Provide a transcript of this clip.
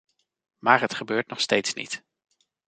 Maar het gebeurt nog steeds niet.